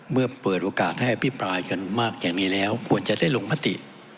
เมื่อเปิดโอกาสให้อภิปรายกันมากอย่างนี้แล้วควรจะได้ลงมติ